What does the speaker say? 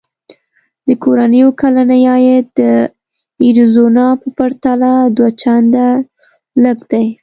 د کورنیو کلنی عاید د اریزونا په پرتله دوه چنده لږ دی.